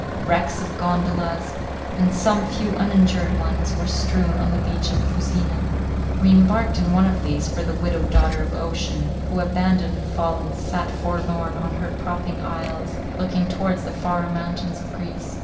Wrecks of gondolas, and some few uninjured ones, were strewed on the beach at Fusina. We embarked in one of these for the widowed daughter of ocean, who, abandoned and fallen, sat forlorn on her propping isles, looking towards the far mountains of Greece.